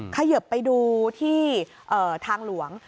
เขยิบไปดูที่ทางหลวง